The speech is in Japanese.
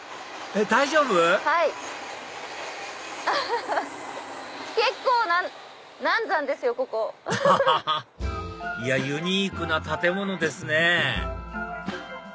アハハハいやユニークな建物ですね